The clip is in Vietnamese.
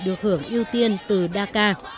được hưởng ưu tiên từ daca